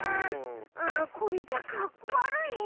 ああこれじゃかっこわるいよ！